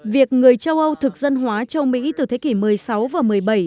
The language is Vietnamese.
việc người châu âu thực dân hóa châu mỹ từ thế kỷ một mươi sáu và một mươi bảy